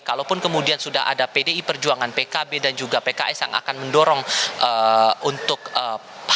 kalaupun kemudian sudah ada pdi perjuangan pkb dan juga pks yang akan mendorong untuk maju